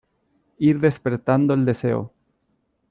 ir despertando el deseo,